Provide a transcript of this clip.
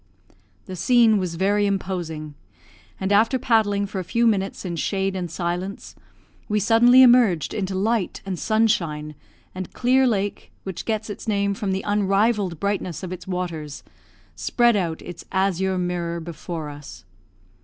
The scene was very imposing, and after paddling for a few minutes in shade and silence, we suddenly emerged into light and sunshine, and Clear Lake, which gets its name from the unrivalled brightness of its waters, spread out its azure mirror before us.